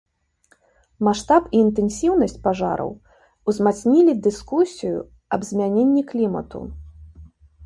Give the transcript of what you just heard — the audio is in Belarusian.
Маштаб і інтэнсіўнасць пажараў узмацнілі дыскусію аб змяненні клімату.